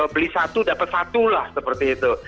beli satu dapat satu lah seperti itu